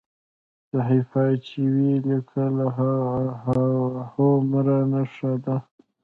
صحیفه چې وي لیکلې هومره ښه ده.